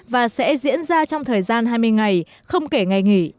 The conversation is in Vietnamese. và sẽ diễn ra trong thời gian hai mươi ngày không kể ngày nghỉ